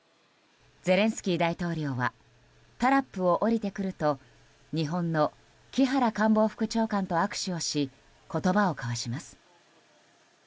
ゼレンスキー大統領はタラップを下りてくると日本の木原官房副長官と握手をし言葉を交わします。